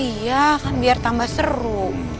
iya kan biar tambah seru